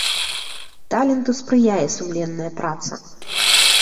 Таленту спрыяе сумленная праца.